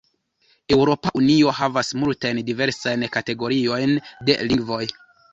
Eŭropa Unio havas multajn diversajn kategoriojn de lingvoj.